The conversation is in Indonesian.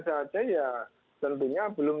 saja ya tentunya belum